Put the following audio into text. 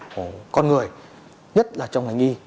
của con người nhất là trong ngành y